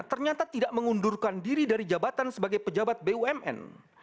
ternyata tidak mengundurkan diri dari jabatan sebagai pejabat bumn